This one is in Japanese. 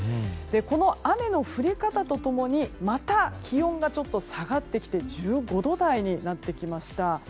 この雨の降り方と共にまた気温が下がってきて１５度台になってきました。